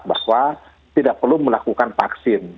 bahwa tidak perlu melakukan vaksin